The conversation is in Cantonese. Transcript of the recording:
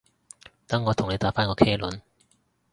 等我同你打返個茄輪